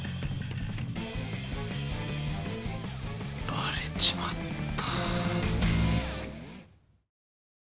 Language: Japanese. バレちまった。